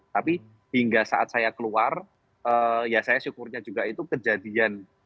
tapi hingga saat saya keluar ya saya syukurnya juga itu kejadian